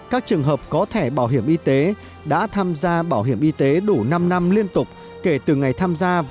các trường hợp có thẻ bảo hiểm y tế đã tham gia bảo hiểm y tế đủ năm năm liên tục kể từ ngày tham gia